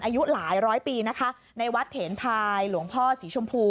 อายุหลายร้อยปีนะคะในวัดเถนพายหลวงพ่อสีชมพู